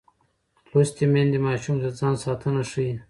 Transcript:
لوستې میندې ماشوم ته د ځان ساتنه ښيي.